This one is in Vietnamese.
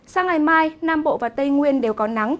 sang ngày mai nam bộ và tây nguyên đều có nắng